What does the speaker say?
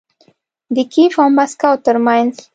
د کیف او مسکو ترمنځ